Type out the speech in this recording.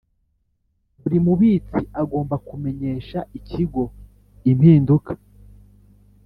Buri mubitsi agomba kumenyesha ikigo impinduka